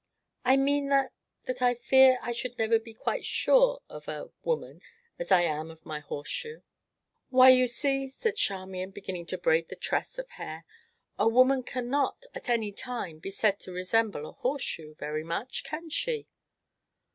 "I mean that that I fear I should never be quite sure of a woman, as I am of my horseshoe." "Why, you see," said Charmian, beginning to braid the tress of hair, "a woman cannot, at any time, be said to resemble a horseshoe very much, can she?"